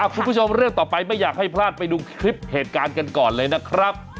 คุณผู้ชมเรื่องต่อไปไม่อยากให้พลาดไปดูคลิปเหตุการณ์กันก่อนเลยนะครับ